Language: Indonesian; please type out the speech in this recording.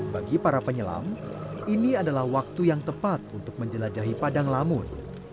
bagi para penyelam ini adalah waktu yang tepat untuk menjelajahi padang lamun